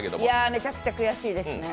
めちゃくちゃ悔しいですね。